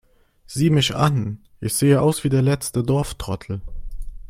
Sieh mich an, ich sehe aus wie der letzte Dorftrottel